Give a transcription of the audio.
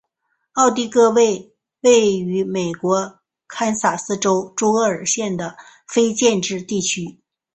奥蒂戈为位在美国堪萨斯州朱厄尔县的非建制地区。